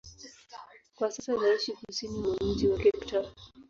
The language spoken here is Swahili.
Kwa sasa anaishi kusini mwa mji wa Cape Town.